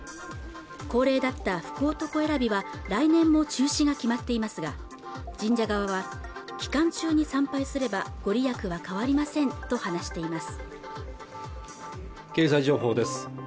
恒例だった福男選びは来年も中止が決まっていますが神社側は期間中に参拝すればご利益は変わりませんと話しています